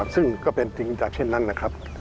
ซึ่งก็เป็นจริงจากเช่นนั้นนะครับ